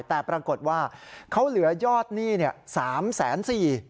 แต่ปรากฏว่าเขาเหลือยอดหนี้๓๔๐๐บาท